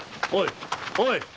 おい！